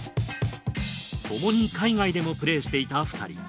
ともに海外でもプレーしていた２人。